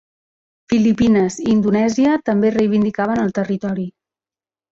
Filipines i Indonèsia també reivindicaven el territori.